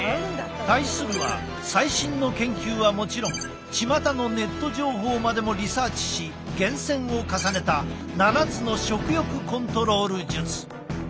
対するは最新の研究はもちろんちまたのネット情報までもリサーチし厳選を重ねた７つの食欲コントロール術。